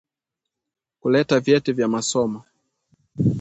Kuleta vyeti vya masomo